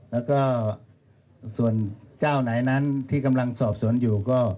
แล้วก็ส่วนเจ้าไหนนั้นที่กำลังสอบสวนอยู่ก็